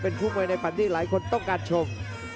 คู่มวยในฝันที่หลายคนต้องการชม